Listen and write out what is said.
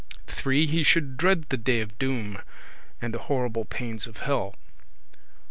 He should dread the day of doom and the horrible pains of hell; 4.